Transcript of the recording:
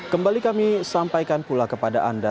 kembali kami sampaikan pula kepada anda